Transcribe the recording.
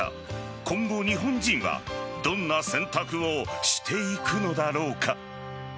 今後、日本人はどんな選択をしていくのだろうか。